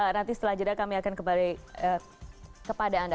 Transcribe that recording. nanti setelah jeda kami akan kembali kepada anda